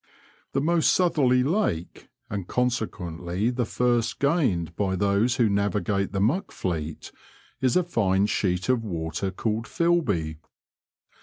The most southerly lake, and ccmsequeutly the first gained by those who navigate the Muck Fleet, is a fine sheet of water called Filby.